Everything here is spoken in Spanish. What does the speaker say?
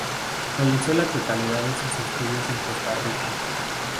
Realizó la totalidad de sus estudios en Costa Rica.